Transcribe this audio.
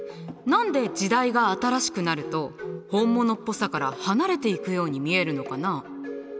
何で時代が新しくなると本物っぽさから離れていくように見えるのかな？